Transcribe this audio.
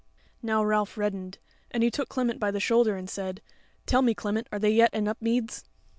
Now Ralph reddened, and he took Clement by the shoulder, and said: "Tell me, Clement, are they yet in Upmeads?"